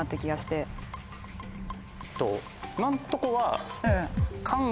今んとこは。